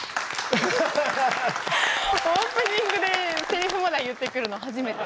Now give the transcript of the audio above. オープニングでせりふまで言ってくるの初めて。